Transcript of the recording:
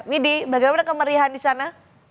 widi bagaimana kemeriahan di sana